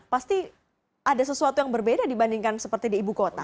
pasti ada sesuatu yang berbeda dibandingkan seperti di ibu kota